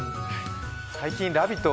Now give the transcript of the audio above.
最近「ラヴィット！」